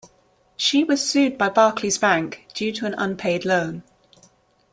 She was sued by Barclays Bank due to an unpaid loan.